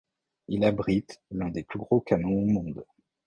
Il abrite l'un des plus gros canon au monde.